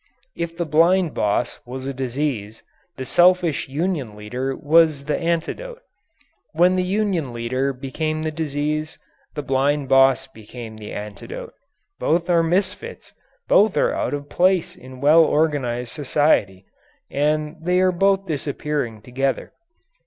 If the blind boss was a disease, the selfish union leader was the antidote. When the union leader became the disease, the blind boss became the antidote. Both are misfits, both are out of place in well organized society. And they are both disappearing together.